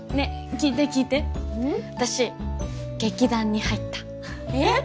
聞いて聞いて私劇団に入ったえっ？